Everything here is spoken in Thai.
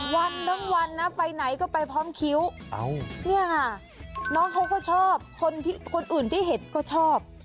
วันทั้งวันนะไปไหนก็ไปพร้อมคิ้วเนี่ยค่ะน้องเขาก็ชอบคนอื่นที่เห็นก็ชอบ